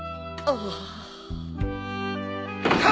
ああ！